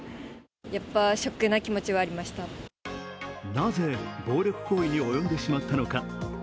なぜ暴力行為に及んでしまったのか。